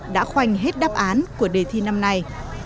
đã khoanh hết đáp án của đề thi năm nay